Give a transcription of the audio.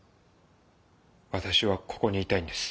私はここにいたいんです。